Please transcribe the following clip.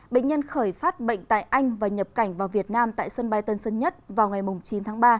bệnh nhân khởi phát bệnh tại anh và nhập cảnh vào việt nam tại sân bay tân sơn nhất vào ngày chín tháng ba